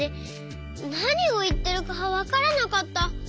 なにをいってるかわからなかった。